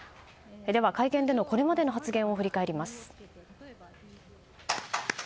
では、会見でのこれまでの発言を振り返ります。